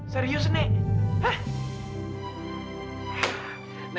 serius nek hah